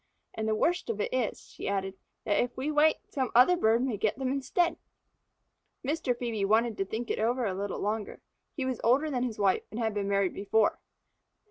And the worst of it is," she added, "that if we wait, some other bird may get them instead." Mr. Phœbe wanted to think it over a little longer. He was older than his wife and had been married before.